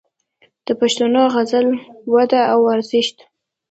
د پښتو غزل وده او ارزښت